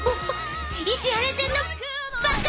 石原ちゃんのばか！